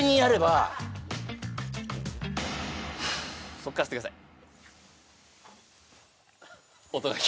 そこから吸ってください